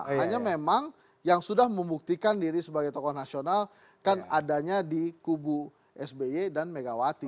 hanya memang yang sudah membuktikan diri sebagai tokoh nasional kan adanya di kubu sby dan megawati